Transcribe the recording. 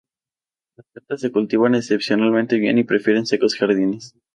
Las plantas se cultivan excepcionalmente bien y prefieren secos jardines.